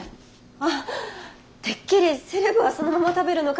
あってっきりセレブはそのまま食べるのかと。